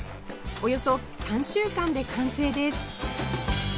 およそ３週間で完成です